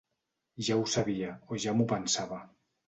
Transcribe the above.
Ja ho sabia, o ja m'ho pensava.